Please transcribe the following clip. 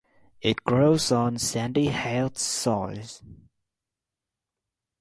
It grows on sandy heath soils.